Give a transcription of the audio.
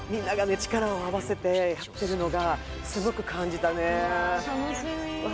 力を合わせてやってるのがすごく感じたねうわ